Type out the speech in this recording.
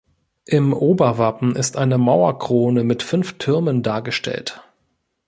Im Oberwappen ist eine Mauerkrone mit fünf Türmen dargestellt.